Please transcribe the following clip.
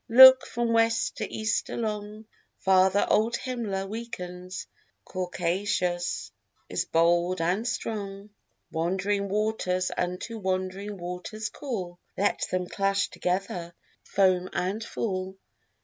Look from west to east along: Father, old Himla weakens, Caucasus is bold and strong. Wandering waters unto wandering waters call; Let them clash together, foam and fall.